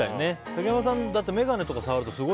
竹山さん、眼鏡とか触ると。